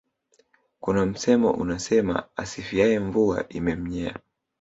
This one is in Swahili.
kuna msemo unasema aisifiyae Mvua imemnyea